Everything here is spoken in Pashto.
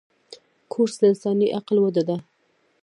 کورس د انساني عقل وده ده.